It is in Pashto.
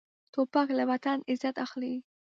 توپک له وطن عزت اخلي.